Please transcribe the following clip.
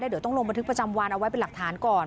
เดี๋ยวต้องลงบันทึกประจำวันเอาไว้เป็นหลักฐานก่อน